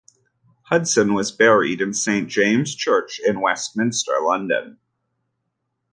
Hudson was buried in Saint James's Church in Westminster, London.